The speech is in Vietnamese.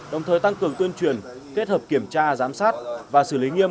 đồng thời tăng cường tuyên truyền kết hợp kiểm tra giám sát và xử lý nghiêm